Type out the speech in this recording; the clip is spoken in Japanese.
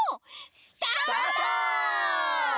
スタート！